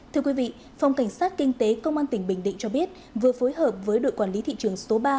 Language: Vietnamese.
thưa quý vị phòng cảnh sát kinh tế công an tỉnh bình định cho biết vừa phối hợp với đội quản lý thị trường số ba